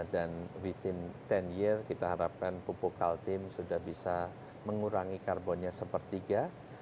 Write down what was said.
dan dalam sepuluh tahun kita harapkan pupuk kaltim sudah bisa mengurangi karbonnya sepertiga